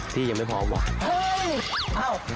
พี่ยังไม่พร้อมว่ะ